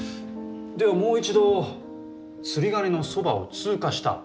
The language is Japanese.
ではもう一度釣り鐘のそばを通過した？